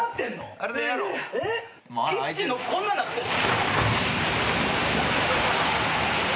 キッチンのこんなんなってんの？